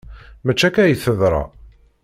Maci akka ay teḍra.